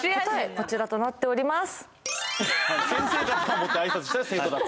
こちらとなっております